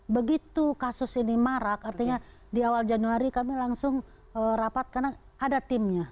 begitu kasus ini marak artinya di awal januari kami langsung rapat karena ada timnya